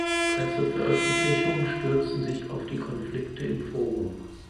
Presseveröffentlichungen stürzten sich auf die Konflikte im Forum.